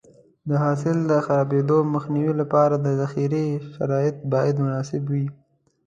د حاصل د خرابېدو مخنیوي لپاره د ذخیرې شرایط باید مناسب وي.